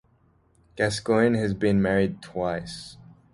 Gascoine has been married twice.